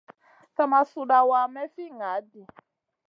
Sa ma suɗawa may fi ŋaʼaɗ ɗi.